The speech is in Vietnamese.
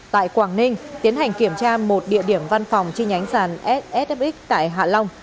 tại quảng ninh tiến hành kiểm tra một địa điểm văn phòng chi nhánh sàn ssf tại hạ long